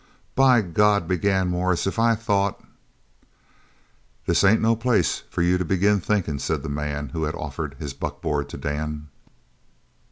"By God," began Morris, "if I thought " "This ain't no place for you to begin thinkin'," said the man who had offered his buckboard to Dan.